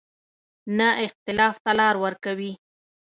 نه اختلاف ته لار ورکوي.